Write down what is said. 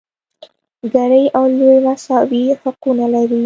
ګېري او لويي مساوي حقونه لري.